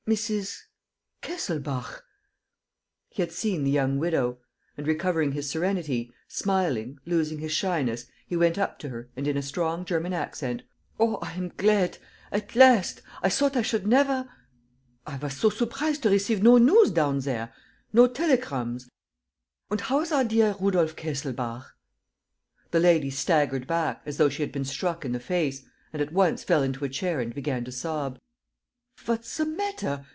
Mrs. Kesselbach!" He had seen the young widow. And, recovering his serenity, smiling, losing his shyness, he went up to her and in a strong German accent: "Oh, I am glad! ... At last! ... I thought I should never ... I was so surprised to receive no news down there ... no telegrams. ... And how is our dear Rudolf Kesselbach?" The lady staggered back, as though she had been struck in the face, and at once fell into a chair and began to sob. "What's the matter?